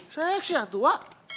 seksi ya tua